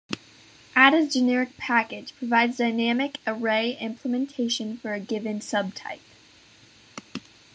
Ada's generic package provides dynamic array implementation for a given subtype.